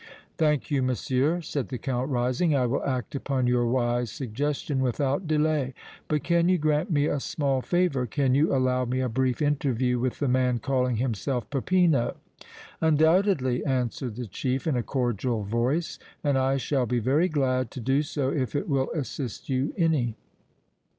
"Thank you, monsieur," said the Count, rising. "I will act upon your wise suggestion without delay. But can you grant me a small favor? Can you allow me a brief interview with the man calling himself Peppino?" "Undoubtedly," answered the chief, in a cordial voice, "and I shall be very glad to do so if it will assist you any."